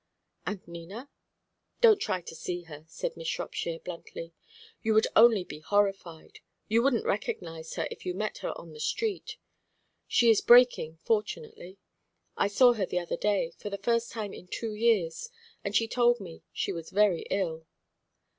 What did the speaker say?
"And Nina?" "Don't try to see her," said Miss Shropshire, bluntly. "You would only be horrified, you wouldn't recognise her if you met her on the street. She is breaking, fortunately. I saw her the other day, for the first time in two years, and she told me she was very ill."